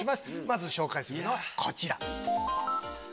まず紹介するのはこちら。